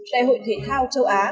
đại hội thể thao châu á